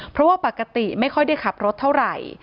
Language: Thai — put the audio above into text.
เพราะว่าปกติไม่ค่อยได้ขับรถเท่าไหร่